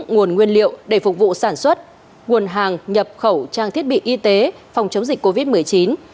nguồn nguyên liệu để phục vụ sản xuất nguồn hàng nhập khẩu trang thiết bị y tế phòng chống dịch covid một mươi chín